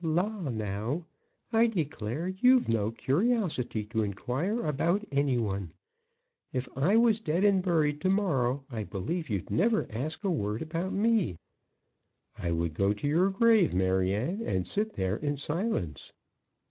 "La, now! I declare you've no curiosity to inquire about any one. If I was dead and buried to morrow, I believe you'd never ask a word about me." "I would go to your grave, Maryanne, and sit there in silence."